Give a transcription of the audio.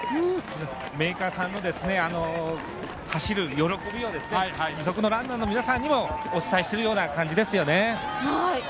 メーカーさんの走る喜びを義足ランナーの皆さんにもお伝えしているような感じです。